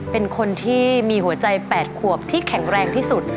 เป็นคนที่มีหัวใจ๘ขวบที่แข็งแรงที่สุด